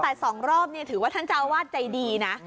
แต่๒รอบนี่ถือว่าท่านเจ้าอาวาสใจดีนะ